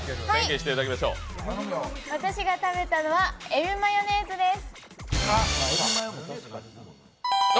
私が食べたのはエビマヨネーズです。